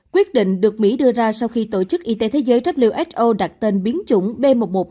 quyết định được mỹ đưa ra sau khi tổ chức y tế thế giới who đặt tên biến chủng b một một năm trăm hai mươi chín